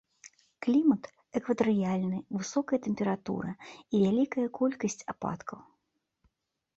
Клімат экватарыяльны, высокая тэмпература і вялікая колькасць ападкаў.